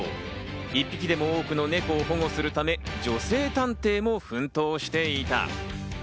１匹でも多くのネコを保護するため、女性探偵も奮闘していた。